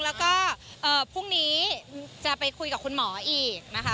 แล้วก็พรุ่งนี้จะไปคุยกับคุณหมออีกนะคะ